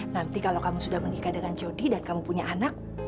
nanti kalau kamu sudah menikah dengan jody dan kamu punya anak